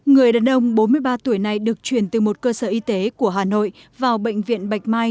người đàn ông bốn mươi ba tuổi này được chuyển từ một cơ sở y tế của hà nội vào bệnh viện bạch mai